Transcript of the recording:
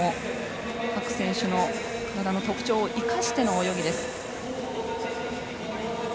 各選手の体の特長を生かしての泳ぎです。